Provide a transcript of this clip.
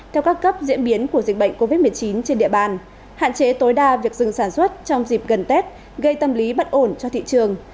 theo các cấp diễn biến của dịch bệnh covid một mươi chín trên địa bàn hạn chế tối đa việc dừng sản xuất trong dịp gần tết gây tâm lý bất ổn cho thị trường